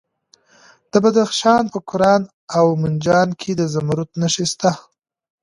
د بدخشان په کران او منجان کې د زمرد نښې شته.